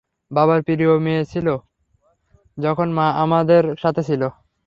বাবার প্রিয় মেয়ে ছিলাম যখন মা আমাদের সাথে ছিল।